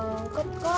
jangan bikin jelek mulu